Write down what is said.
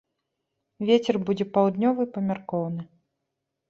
Вецер будзе паўднёвы, памяркоўны.